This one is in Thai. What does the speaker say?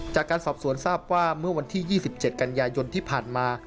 จากการสอบสวนทราบว่าเมื่อวันที่๒๗กันยายนที่ผ่านมา